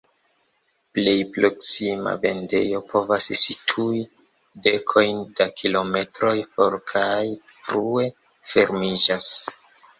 Plej proksima vendejo povas situi dekojn da kilometroj for kaj frue fermiĝas.